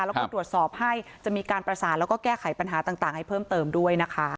แล้วก็ตรวจสอบให้จะมีการประสานแล้วก็แก้ไขปัญหาต่างให้เพิ่มเติมด้วยนะคะ